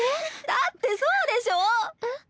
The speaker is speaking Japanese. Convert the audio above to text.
だってそうでしょ？えっ？